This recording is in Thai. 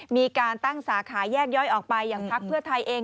มีการตั้งสาขาแยกย่อยออกไปอย่างพักเพื่อไทยเอง